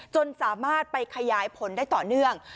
จนสามารถไปขยายผลได้ต่อเนื่อง